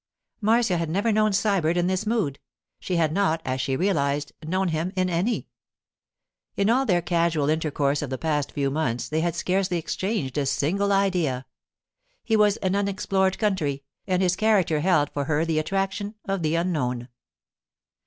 Marcia had never known Sybert in this mood—she had not, as she realized, known him in any. In all their casual intercourse of the past few months they had scarcely exchanged a single idea. He was an unexplored country, and his character held for her the attraction of the unknown.